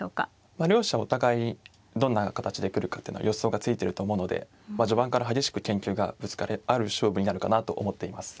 まあ両者お互いにどんな形で来るかっていうのは予想がついてると思うのでまあ序盤から激しく研究がぶつかり合う勝負になるかなと思っています。